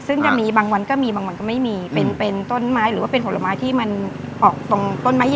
ซึ่งจะมีบางวันก็มีบางวันก็ไม่มีเป็นต้นไม้หรือว่าเป็นผลไม้ที่มันออกตรงต้นไม้ใหญ่